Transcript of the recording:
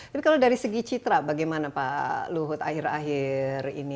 tapi kalau dari segi citra bagaimana pak luhut akhir akhir ini